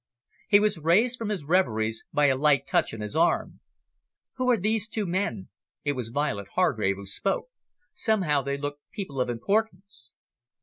He was raised from his reveries by a light touch on his arm. "Who are these two men?" It was Violet Hargrave who spoke. "Somehow, they look people of importance."